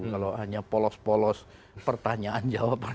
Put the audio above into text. kalau hanya polos polos pertanyaan jawaban